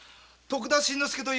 徳田新之助って。